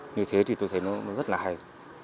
như thế thì tôi thấy nó rất là hay